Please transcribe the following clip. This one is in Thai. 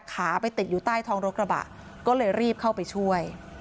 ขาไปติดอยู่ใต้ท้องรถกระบะก็เลยรีบเข้าไปช่วย